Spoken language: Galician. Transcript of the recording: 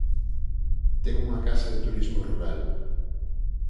Ten unha casa de turismo rural.